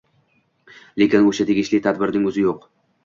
Lekin o‘sha tegishli tartibning o‘zi yo‘q.